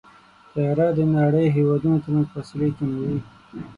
طیاره د نړۍ د هېوادونو ترمنځ فاصلې کموي.